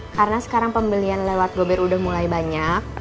karena sekarang pembelian lewat gober udah mulai banyak